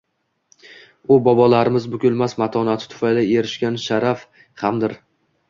u bobolarimiz bukilmas matonati tufayli erishgan sharaf hamdir.